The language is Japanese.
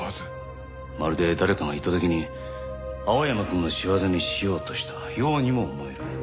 まるで誰かが意図的に青山くんの仕業にしようとしたようにも思える。